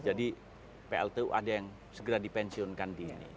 jadi pltu ada yang segera dipensiunkan dini